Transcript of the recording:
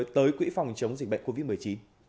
tới quỹ phòng chống dịch bệnh covid một mươi chín